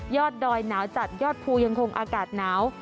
ดอยหนาวจัดยอดภูยังคงอากาศหนาว